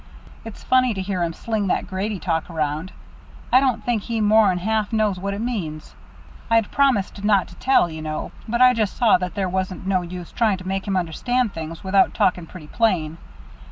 It's funny to hear him sling that Grady talk around. I don't think he more'n half knows what it means. I'd promised not to tell, you know, but I just saw there wasn't no use trying to make him understand things without talking pretty plain.